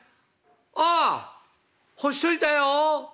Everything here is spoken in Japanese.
「ああ干しといたよ。